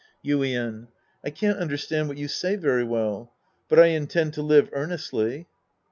Yuien. I can't understand what you say very well. But I intend to live earnestly.